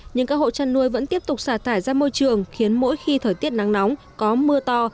nhưng các hộ chăn nuôi vẫn tiếp tục xả thải ra môi trường khiến mỗi khi thời tiết nắng nóng có mưa to